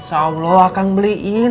insyaallah akang beliin